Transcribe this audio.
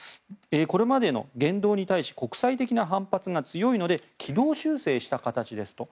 これまでの言動に対し国際的な反発が強いので軌道修正した形ですと。